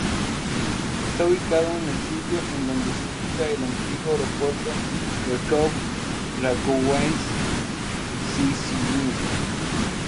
Está ubicado en el sitio en donde se ubicaba el antiguo aeropuerto Kraków-Rakowice-Czyżyny.